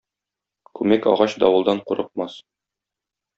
Күмәк агач давылдан курыкмас.